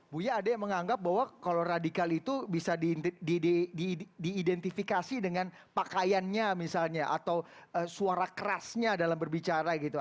buya ada yang menganggap bahwa kalau radikal itu bisa diidentifikasi dengan pakaiannya misalnya atau suara kerasnya dalam berbicara gitu